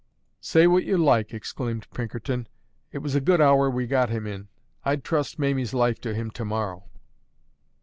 "Say what you like," exclaimed Pinkerton, "it was a good hour we got him in: I'd trust Mamie's life to him to morrow."